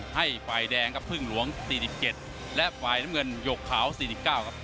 ให้ฝ่ายแดงครับพึ่งหลวง๔๗และฝ่ายน้ำเงินหยกขาว๔๙ครับ